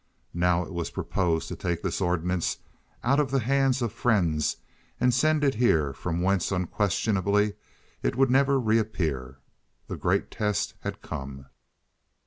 Now it was proposed to take this ordinance out of the hands of friends and send it here, from whence unquestionably it would never reappear. The great test had come.